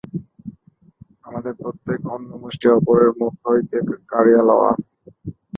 আমাদের প্রত্যেক অন্নমুষ্টি অপরের মুখ হইতে কাড়িয়া লওয়া।